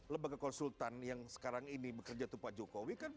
lembaga konsultan yang sekarang ini bekerja itu pak jokowi kan